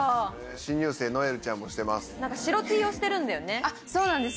新入生ノエルちゃんもしてます。